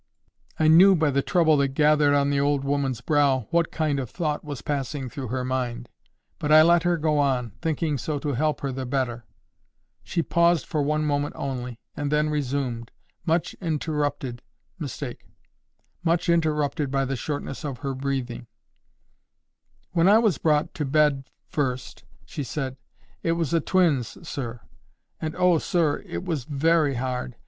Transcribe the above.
I knew by the trouble that gathered on the old woman's brow what kind of thought was passing through her mind. But I let her go on, thinking so to help her the better. She paused for one moment only, and then resumed—much interrupted by the shortness of her breathing. "When I was brought to bed first," she said, "it was o' twins, sir. And oh! sir, it was VERY hard.